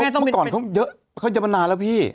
เมื่อก่อนเขาเยอะเขาจะมานานแล้วพี่